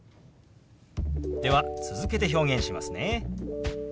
では続けて表現しますね。